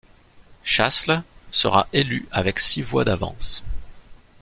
Chasles sera élu avec six voix d'avance.